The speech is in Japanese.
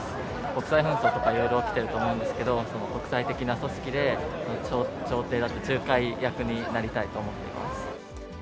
国際紛争とかいろいろ起きてると思うんですけど、国際的な組織で、仲介役になりたいと思っています。